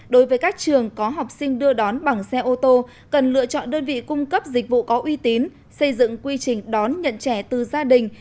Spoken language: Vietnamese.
đối với các trường có học sinh đưa đón bằng xe ô tô cần lựa chọn đơn vị cung cấp dịch vụ có uy tín xây dựng quy trình đón nhận trẻ từ gia đình